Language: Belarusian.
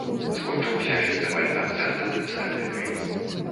Скончыўся фестываль канцэртам і дыскатэкай.